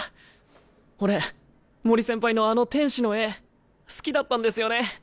俺森先輩のあの天使の絵好きだったんですよね。